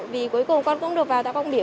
vì cuối cùng con cũng được vào tạp quang biểu